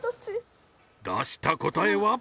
出した答えは？